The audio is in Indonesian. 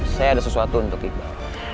saya ada sesuatu untuk iqbal